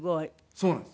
そうなんです。